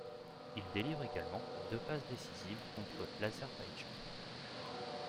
Il délivre également deux passes décisives contre l'Azerbaïdjan.